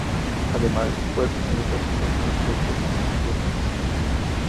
Además, pueden tener otras normas o restricciones locales.